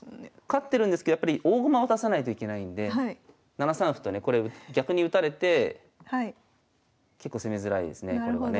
勝ってるんですけどやっぱり大駒を出さないといけないんで７三歩とねこれ逆に打たれて結構攻めづらいですねこれね。